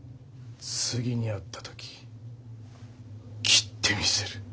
次に会ったとき斬ってみせる。